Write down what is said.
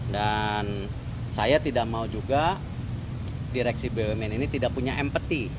dan saya tidak mau juga direksi bumn ini tidak punya empathy